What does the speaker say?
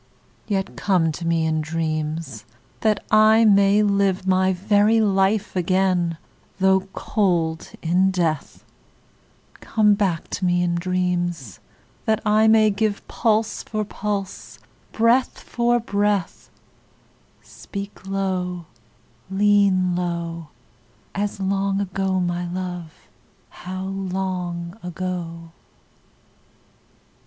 Yet come to me in dreams, that I may live My very life again though cold in death: Come back to me in dreams, that I may give Pulse for pulse, breath for breath: Speak low, lean low, As long ago, my love, how long ago!